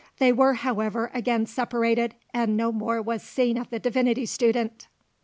They were, however, again separated, and no more was seen of the divinity student.